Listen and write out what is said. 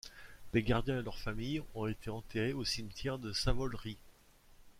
Les gardiens et leurs familles ont été enterrés au cimetière de Sawol-ri.